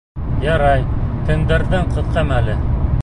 Ярай, төндәрҙең ҡыҫҡа мәле.